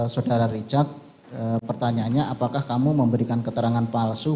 saudara richard pertanyaannya apakah kamu memberikan keterangan palsu